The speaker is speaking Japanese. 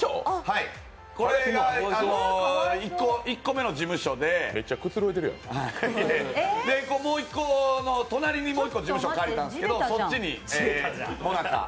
これが１個目の事務所で隣にもう１個事務所を借りたんですけど、そっちにもなかを。